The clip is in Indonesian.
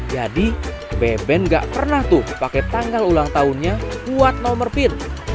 jadi beben gak pernah tuh pakai tanggal ulang tahunnya buat nomor pin